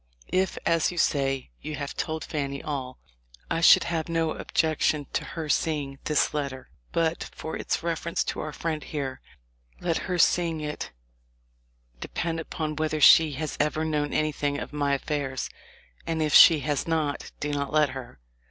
If, as you say, you have told Fanny all, I should have no objection to her seeing this letter, but for its reference to our friend here; let her seeing it depend upon whether she has ever known anything of my affairs ; and if she has not, do not let her.